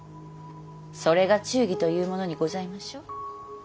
それが忠義というものにございましょう。